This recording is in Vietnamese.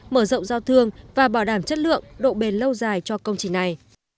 mở rộng giao thương và bảo đảm chất lượng độ bền lâu dài cho công trình này